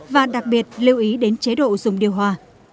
và đặc biệt lưu ý đến chế độ dùng điều hòa